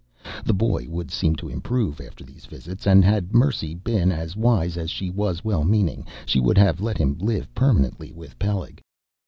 The boy would seem to improve after these visits, and had Mercy been as wise as she was well meaning, she would have let him live permanently with Peleg.